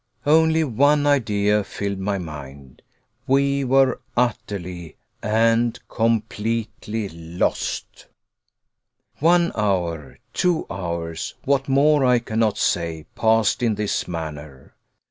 Only one idea filled my mind. We were utterly and completely lost! One hour, two hours what more I cannot say, passed in this manner.